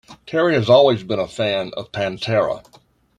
Terry has always been a fan of Pantera.